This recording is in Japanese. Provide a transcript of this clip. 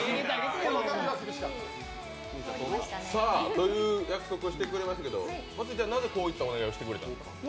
という約束をしてくれましたけど、まつりちゃん、なぜこういったお願いをしてくれたんですか？